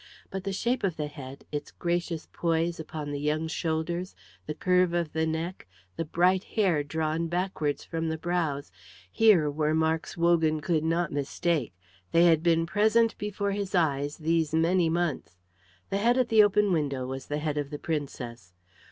But the shape of the head, its gracious poise upon the young shoulders, the curve of the neck, the bright hair drawn backwards from the brows, here were marks Wogan could not mistake. They had been present before his eyes these many months. The head at the open window was the head of the Princess.